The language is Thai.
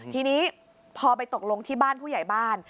ทีนี้พอไปตกลงที่บ้านผู้ใหญ่บ้าน